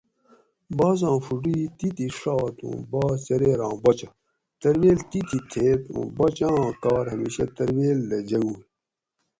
بازاں فوٹو ئ تیتھی ڛات اوُں باز چریر آں باچہ ترویل تیتھی تھیت اوُں باچہ آں کار ھمیشہ ترویل دہ جنگوگ